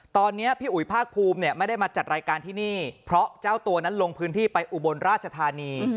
ตอนนี้พี่อุ๋ยภาคภูมิเนี่ยไม่ได้มาจัดรายการที่นี่เพราะเจ้าตัวนั้นลงพื้นที่ไปอุบลราชธานี